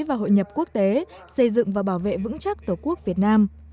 và hội nhập quốc tế xây dựng và bảo vệ vững chắc tổ quốc việt nam